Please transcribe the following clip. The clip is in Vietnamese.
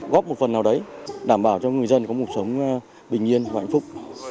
góp một phần nào đấy đảm bảo cho người dân có cuộc sống bình yên và hạnh phúc